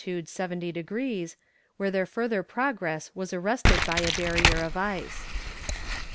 70 degrees, where their further progress was arrested by a barrier of ice.